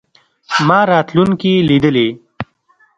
ما راتلونکې لیدلې.